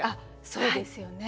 そうですよね。